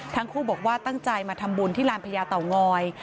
ทั้งคู่บอกว่าตั้งใจมาทำบุญที่ลานพญาเต่างอย